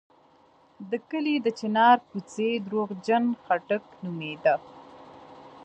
د کلي د چنار کوڅې درواغجن خاټک نومېده.